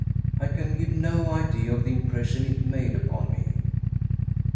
I can give no idea of the impression it made upon me.